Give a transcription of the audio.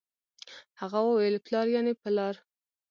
هغه وويل پلار يعنې په لار